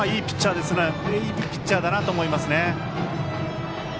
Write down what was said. いいピッチャーだなと思いますね。